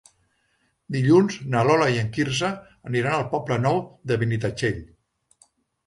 Dilluns na Lola i en Quirze aniran al Poble Nou de Benitatxell.